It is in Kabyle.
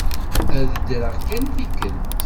Ad teddreḍ kan tikkelt.